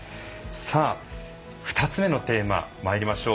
さあ２つ目のテーマまいりましょう。